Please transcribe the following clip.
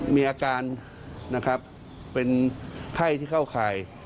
มีอาการเป็นไข้ที่เข้าข่าย